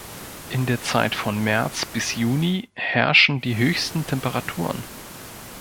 In der Zeit von März bis Juni herrschen die höchsten Temperaturen.